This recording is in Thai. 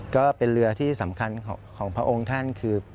ก็เป็นเรือที่สำคัญของพระองค์ท่านคือ